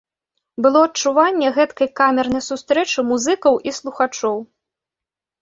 Было адчуванне гэткай камернай сустрэчы музыкаў і слухачоў.